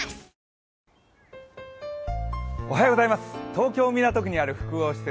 東京港区にある複合施設